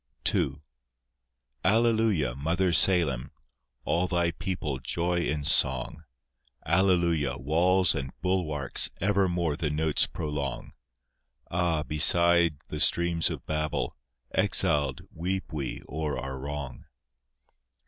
II Alleluia, Mother Salem, All Thy people joy in song; Alleluia, walls and bulwarks Evermore the notes prolong: Ah! beside the streams of Babel, Exiled, weep we o'er our wrong.